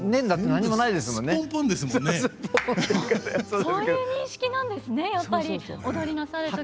そういう認識なんですねやっぱり踊りなされる時。